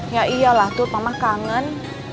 ya iyalah tuh mama kangen